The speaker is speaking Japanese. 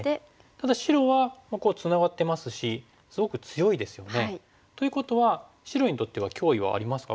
ただ白はツナがってますしすごく強いですよね。ということは白にとっては脅威はありますかこれ。